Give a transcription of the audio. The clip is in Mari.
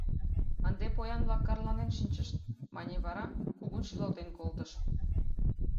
— Ынде поян-влак карланен шинчыч, — мане вара, кугун шӱлалтен колтыш.